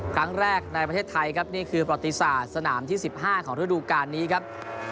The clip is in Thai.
ครั้งแรกในประเทศไทยครับนี่คือประติศาสตร์สนามที่๑๕ของฤดูการนี้ครับ